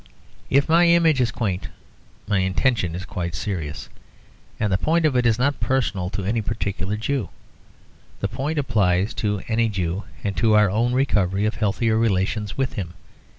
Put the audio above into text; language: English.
If my image is quaint my intention is quite serious; and the point of it is not personal to any particular Jew. The point applies to any Jew, and to our own recovery of healthier relations with him.